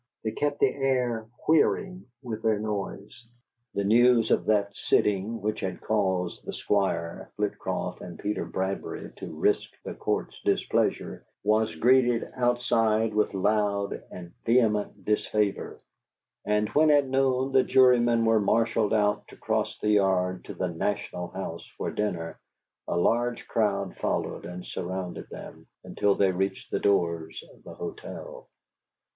They kept the air whirring with their noise. The news of that sitting which had caused the Squire, Flitcroft, and Peter Bradbury to risk the Court's displeasure, was greeted outside with loud and vehement disfavor; and when, at noon, the jurymen were marshalled out to cross the yard to the "National House" for dinner, a large crowd followed and surrounded them, until they reached the doors of the hotel.